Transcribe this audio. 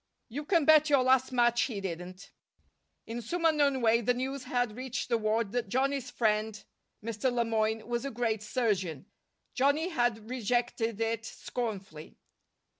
"You can bet your last match he didn't." In some unknown way the news had reached the ward that Johnny's friend, Mr. Le Moyne, was a great surgeon. Johnny had rejected it scornfully.